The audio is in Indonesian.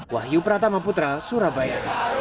wahyu pratama putra surabaya